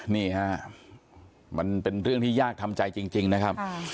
นี่ฮะมันเป็นเรื่องที่ยากทำใจจริงนะครับ